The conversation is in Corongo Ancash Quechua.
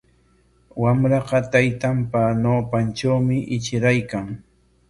Wamraqa taytanpa ñawpantrawmi ichiraykan.